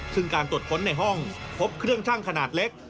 ซึ่งการตรวจค้นในห้องพบเครื่องชั่งขนาดเล็ก